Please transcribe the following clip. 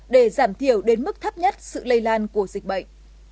để giảm thiểu đến mức thấp nhất sự lây lan của dịch bệnh